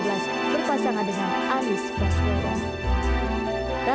berpasangan dengan anis baskuara